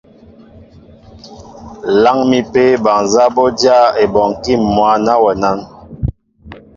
Láŋ mi apē bal nzá bɔ́ dyáá ebɔnkí mwǎ ná wɛ nán?